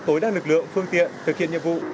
tối đa lực lượng phương tiện thực hiện nhiệm vụ